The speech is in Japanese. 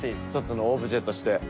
一つのオブジェとして。